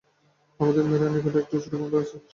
আমাদের মেয়েরা নিকটে একটি ছোট বাংলায় আছে এবং বেশ আছে।